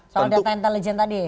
soal data intelijen tadi